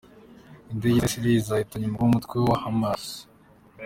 Indege za Isiraheli zahitanye umukuru w’umutwe wa Hamasi